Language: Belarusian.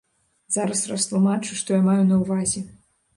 Зараз растлумачу, што я маю на ўвазе.